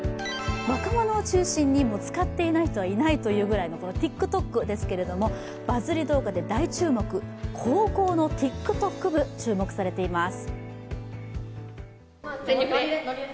若者を中心に使っていない人はいないというぐらいのＴｉｋＴｏｋですけれども、バズり動画で大注目高校のＴｉｋＴｏｋＢＵ、注目されています